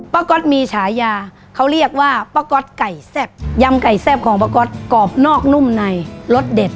ก๊อตมีฉายาเขาเรียกว่าป้าก๊อตไก่แซ่บยำไก่แซ่บของป้าก๊อตกรอบนอกนุ่มในรสเด็ด